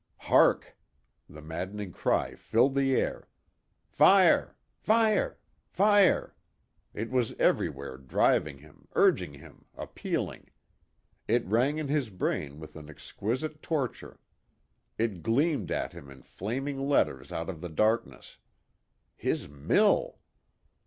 Hark! The maddening cry filled the air. Fire! Fire! Fire! It was everywhere driving him, urging him, appealing. It rang in his brain with an exquisite torture. It gleamed at him in flaming letters out of the darkness. His mill!